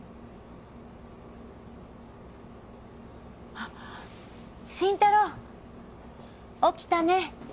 あっ慎太郎起きたね